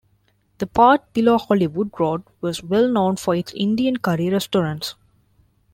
The part below Hollywood Road was well known for its Indian curry restaurants.